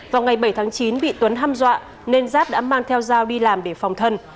vào ngày bảy tháng chín bị tuấn hâm dọa nên giáp đã mang theo dao đi làm để phòng thân